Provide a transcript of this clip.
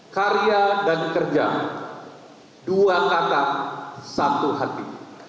karya dan kerja dua kata satu hati